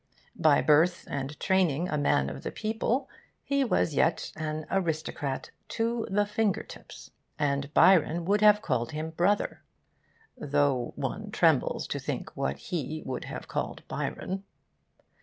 By birth and training a man of the people, he was yet an aristocrat to the finger tips, and Byron would have called him brother, though one trembles to think what he would have called Byron.